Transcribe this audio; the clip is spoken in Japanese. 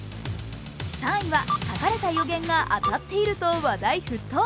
３位は書かれた予言が当たっていると話題沸騰。